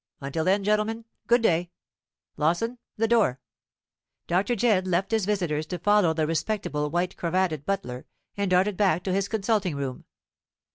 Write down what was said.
Until then, gentlemen, good day. Lawson, the door." Dr. Jedd left his visitors to follow the respectable white cravatted butler, and darted back to his consulting room.